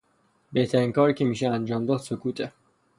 بهترین کاری که میشه انجام داد سکوته